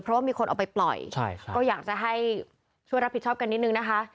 เพราะว่ามีคนเอาไปปล่อยก็อยากจะให้ช่วยรับผิดชอบกันนิดนึงนะคะ